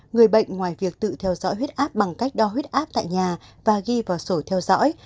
người bệnh ngoài việc tự theo dõi huyết áp bằng cách đo huyết áp tại nhà và ghi vào sổ theo dõi